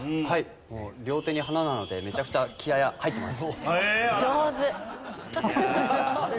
もう両手に花なのでめちゃくちゃ気合入ってます！